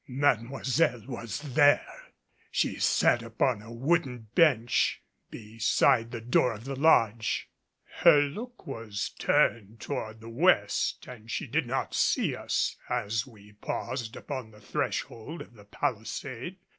Mademoiselle was there! She sat upon a wooden bench beside the door of the lodge. Her look was turned toward the west and she did not see us as we paused upon the threshold of the palisade.